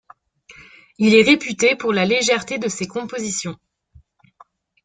Il est réputé pour la légèreté de ses compositions.